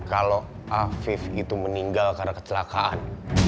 kalau afif itu meninggal karena kecelakaan